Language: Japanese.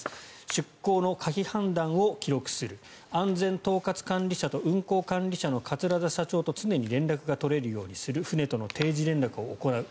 出港の可否判断を記録する安全統括管理者と運航管理者の桂田社長と常に連絡が取れるようにする船との定時連絡を行う。